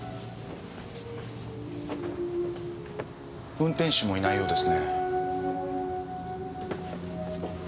運転手もいないようですね。